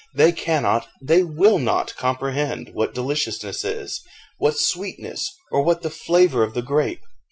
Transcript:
they cannot, they will not comprehend what deliciousness is, what sweetness, or what the flavour of the grape.